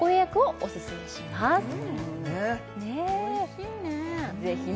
おいしいね